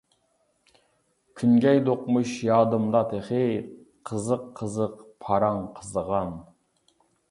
كۈنگەي دوقمۇش يادىمدا تېخى، قىزىق-قىزىق پاراڭ قىزىغان.